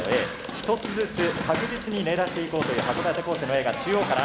一つずつ確実に狙っていこうという函館高専のＡが中央から早くも射出。